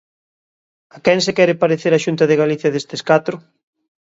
¿A quen se quere parecer a Xunta de Galicia destes catro?